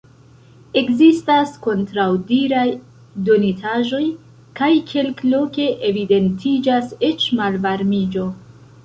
Ekzistas kontraŭdiraj donitaĵoj, kaj kelkloke evidentiĝas eĉ malvarmiĝo.